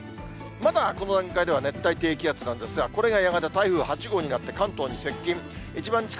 まだこの段階では熱帯低気圧なんですが、これがやがて台風８号になって、関東に接近。